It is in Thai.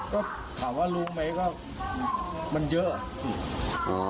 ก็ถามว่ารู้ไหมก็มันเยอะอ่ะ